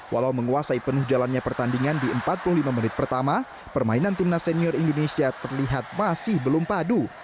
walau menguasai penuh jalannya pertandingan di empat puluh lima menit pertama permainan timnas senior indonesia terlihat masih belum padu